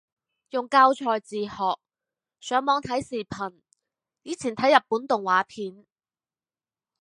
用教材自學，上網睇視頻，以前睇日本動畫片